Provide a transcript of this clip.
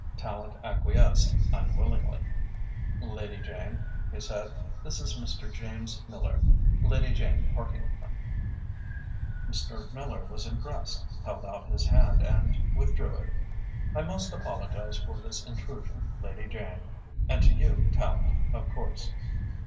Tallente acquiesced unwillingly. "Lady Jane," he said, "this is Mr. James Miller Lady Jane Partington." Mr. Miller was impressed, held out his hand and withdrew it. "I must apologize for this intrusion, Lady Jane, and to you, Tallente, of course.